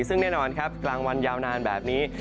ซึ่งแน่นอนครับกลางวันยาวนานแบบนี้